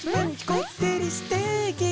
こってりステーキ！」